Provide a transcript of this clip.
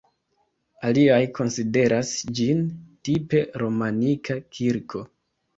Aliaj konsideras ĝin tipe romanika kirko.